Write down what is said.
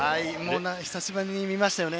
久しぶりに見ましたよね。